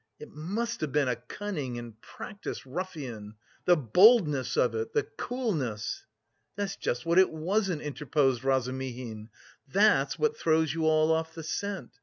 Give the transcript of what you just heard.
"It must have been a cunning and practised ruffian! The boldness of it! The coolness!" "That's just what it wasn't!" interposed Razumihin. "That's what throws you all off the scent.